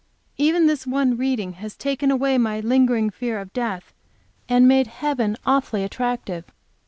Even this one reading has taken away my lingering fear of death, and made heaven awfully attractive.